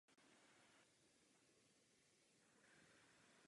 Připravovala se na Národní sportovní univerzitě v Soulu.